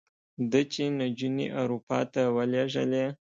ده چې نجونې اروپا ته ولېږلې.